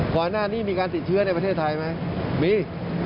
ก่อนหน้านี้มีการติดเชื้อในประเทศไทยไหมมี